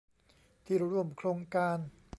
ที่ร่วมโครงการ